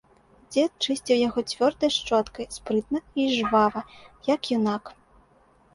Дзед чысціў яго цвёрдай шчоткай спрытна і жвава, як юнак.